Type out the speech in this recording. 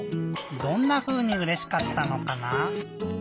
どんなふうにうれしかったのかな？